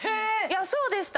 そうでした。